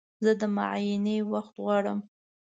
زه د معاینې وخت غواړم.